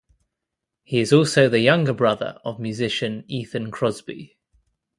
He is also the younger brother of musician Ethan Crosby.